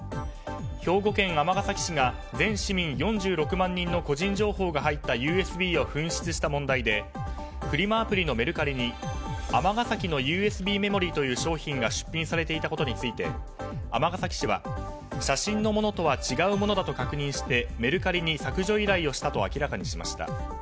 兵庫県尼崎市が全市民４６万人の個人情報が入ったＵＳＢを紛失した問題でフリマアプリのメルカリに尼崎のＵＳＢメモリーという商品が出品されていたことについて尼崎市は写真のものとは違うものだと確認してメルカリに削除依頼をしたと明らかにしました。